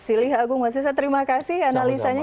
silih agung mas yusa terima kasih analisanya